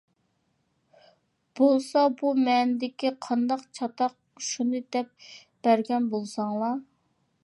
بولسا بۇ مەندىكى قانداق چاتاق شۇنى دەپ بەرگەن بولساڭلار.